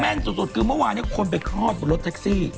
แม่นสุดคือเมื่อวานเนี่ยคนไปครอบบนรถแท็กซี่